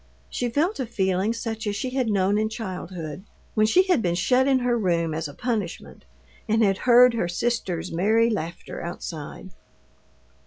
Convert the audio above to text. She felt a feeling such as she had known in childhood, when she had been shut in her room as a punishment, and had heard her sisters' merry laughter outside.